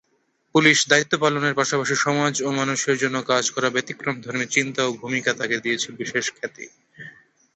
পুলিশি দায়িত্ব পালনের পাশাপাশি সমাজ ও মানুষের জন্য কাজ করা ব্যতিক্রমধর্মী চিন্তা ও ভূমিকা তাকে দিয়েছে বিশেষ খ্যাতি।